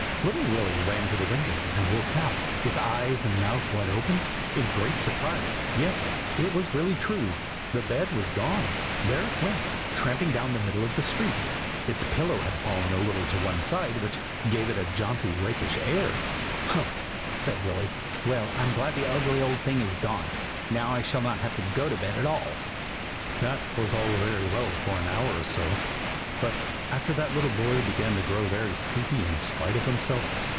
"Little Willy ran to the window, and looked out, with eyes and mouth wide open, in great surprise. Yes, it was really true. The bed was gone; there it went, tramping down the middle of the street. Its pillow had fallen a little to one side, which gave it a jaunty and rakish air. 'Humph!' said Willy. 'Well, I'm glad the ugly old thing is gone. Now I shall not have to go to bed at all.' "That was all very well for an hour or so, but after that the little boy began to grow very sleepy in spite of himself.